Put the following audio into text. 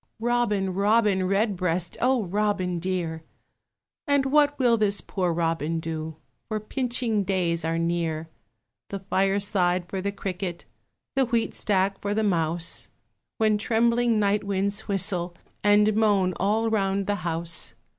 Robin, Robin Redbreast, O Robin dear! And what will this poor Robin do? For pinching days are near. The fireside for the cricket, The wheatstack for the mouse, When trembling night winds whistle And moan all round the house.